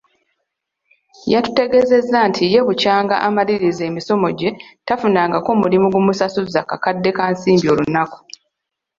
"Yatutegeeza nti ye bukyanga amaliriza emisomo gye, tafunangako mulimu gumusasuza kakadde ka nsimbi olunaku."